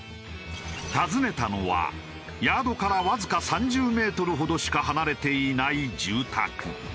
訪ねたのはヤードからわずか３０メートルほどしか離れていない住宅。